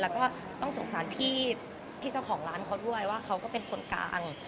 แล้วก็ต้องสงสารพี่เจ้าของร้านเขาด้วยว่าเขาก็เป็นคนกลาง